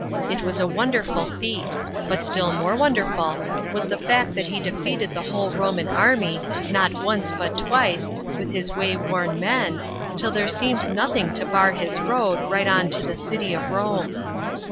It was a wonderful feat ; but still more wonderful was the fact that he defeated the whole Roman army, not once but twice, with his wayworn men, until there seemed nothing to bar his road, right on to the city of Rome.